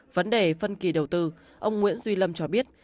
vấn đề phân kỳ đầu tư ông nguyễn duy lâm cho biết